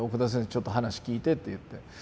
ちょっと話聞いて」って言って。